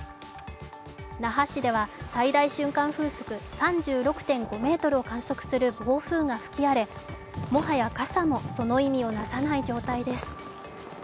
那覇市では最大瞬間風速３６．５メートルを観測する暴風が吹き荒れもはや傘も、その意味をなさない状態です。